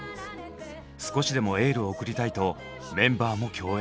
少しでもエールを送りたいとメンバーも共演。